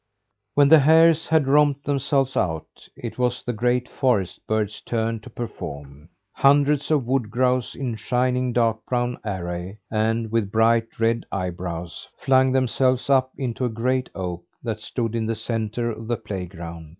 When the hares had romped themselves out, it was the great forest birds' turn to perform. Hundreds of wood grouse in shining dark brown array, and with bright red eyebrows, flung themselves up into a great oak that stood in the centre of the playground.